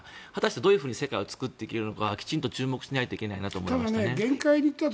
果たしてどういうふうに世界を作っていけるのかきちんと注目しないといけないと思いました。